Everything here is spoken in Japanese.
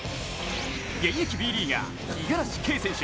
現役Ｂリーガー・五十嵐圭選手